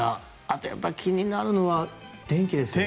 あと、やっぱり気になるのは天気ですね。